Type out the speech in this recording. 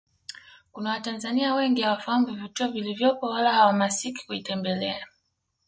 Kuna Watanzania wengi hawafahamu vivutio vilivyopo wala hawahamasiki kuitembelea